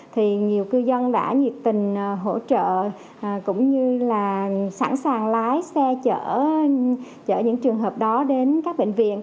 thì nhiều cư dân đã nhiệt tình hỗ trợ cũng như là sẵn sàng lái xe chở những trường hợp đó đến các bệnh viện